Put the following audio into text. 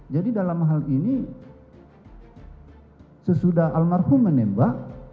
jadi dalam hal ini sesudah almarhum menembak